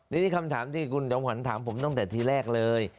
นี่คำถามที่คุณจอมขวัญถามผมตั้งแต่ทีแรกเลย